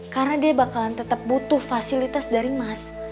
karena dia bakalan tetap butuh fasilitas dari mas